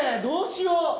どうしよう？